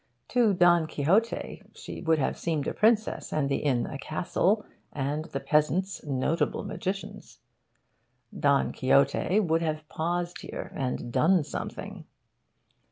To Don Quixote she would have seemed a princess, and the inn a castle, and the peasants notable magicians. Don Quixote would have paused here and done something.